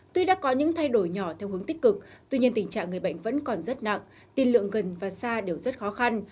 tuy đã có những thay đổi nhỏ theo hướng tích cực tuy nhiên tình trạng người bệnh vẫn còn rất nặng tin lượng gần và xa đều rất khó khăn